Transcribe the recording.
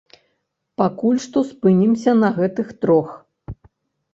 Пакуль што спынімся на гэтых трох.